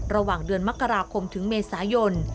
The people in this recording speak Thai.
ระหว่างเดือนมกราคมถึงเมษายน